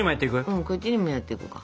うんこっちにもやっていこうか。